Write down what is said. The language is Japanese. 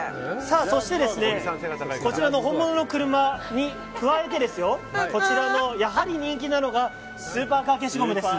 そして、本物の車に加えてこちらの、やはり人気なのがスーパーカー消しゴムです。